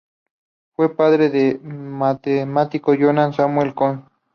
Fue padre del matemático Johann Samuel König.